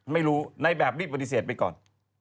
ไม่รู้ในแบบนี้ปฏิเสธไปก่อน